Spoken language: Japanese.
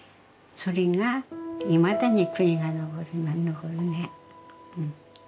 それがいまだに悔いが残るね。